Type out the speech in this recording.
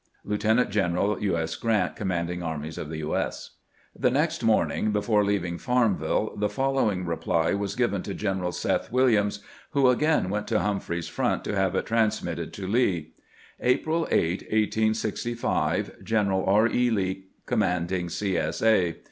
Lieutenant general U. S. Grant, Commanding Armies of the U. S. The next morning, before leaving Farmville, the fol lowing reply was given to General Seth Williams, who again went to Humphreys's front to have it transmitted to Lee : April 8, 1865. General R. E. Lee, Commanding C. S. A.